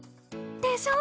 でしょ！